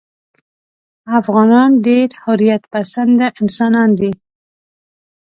افغانان ډېر حریت پسنده انسانان دي.